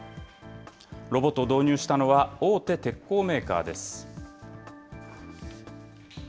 ロボットを導入したのは大手鉄鋼メーカーです。